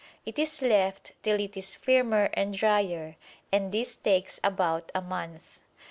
It is left till it is firmer and drier, and this takes about a month.